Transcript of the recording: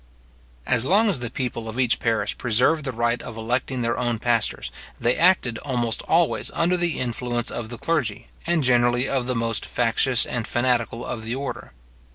As long as the people of each parish preserved the right of electing their own pastors, they acted almost always under the influence of the clergy, and generally of the most factious and fanatical of the order.